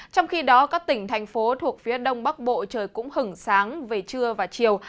trong khi đó các tỉnh thành phố thuộc phía đông bắc bộ trời cũng hứng sáng về trưa và chiều